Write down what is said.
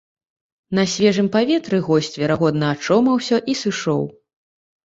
На свежым паветры госць, верагодна, ачомаўся і сышоў.